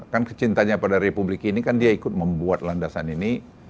kan kecintanya pada republik ini kan dia ikut membuat landasan ini